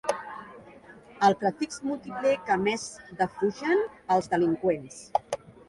El prefix múltiple que més defugen els delinqüents.